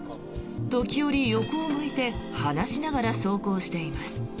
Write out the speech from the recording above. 時折、横を向いて話しながら走行しています。